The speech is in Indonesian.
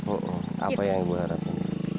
oh apa yang ibu harapkan